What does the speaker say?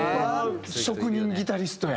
職人ギタリストや。